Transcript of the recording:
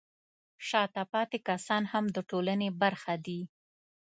شاته پاتې کسان هم د ټولنې برخه دي.